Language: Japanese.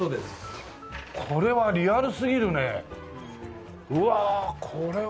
うわこれはリアルすぎるね。